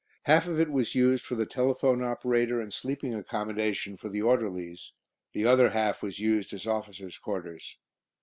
Half of it was used for the telephone operator, and sleeping accommodation for the orderlies, the other half was used as officers' quarters.